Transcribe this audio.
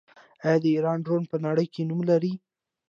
آیا د ایران ډرون په نړۍ کې نوم نلري؟